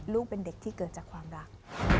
ลูกเป็นเด็กที่เกิดจากความรัก